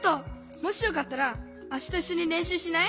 もしよかったらあしたいっしょにれんしゅうしない？